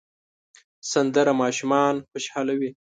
سندره ماشومان خوشحالوي